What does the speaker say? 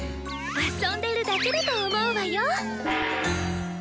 遊んでるだけだと思うわよ。